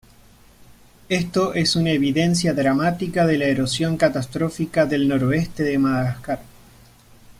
Esto es una evidencia dramática de la erosión catastrófica del noroeste de Madagascar.